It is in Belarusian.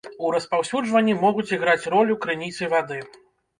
У распаўсюджванні могуць іграць ролю крыніцы вады.